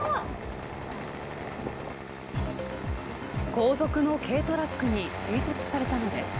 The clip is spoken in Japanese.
後続の軽トラックに追突されたのです。